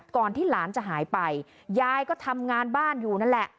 ที่หลานจะหายไปยายก็ทำงานบ้านอยู่นั่นแหละ